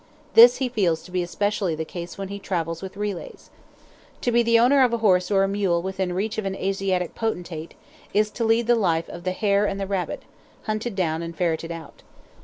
This he feels to be especially the case when he travels with relays. To be the owner of a horse or a mule within reach of an Asiatic potentate, is to lead the life of the hare and the rabbit, hunted down and ferreted out.